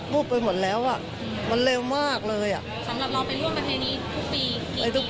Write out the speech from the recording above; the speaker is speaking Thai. พูดสิทธิ์ข่าวธรรมดาทีวีรายงานสดจากโรงพยาบาลพระนครศรีอยุธยาครับ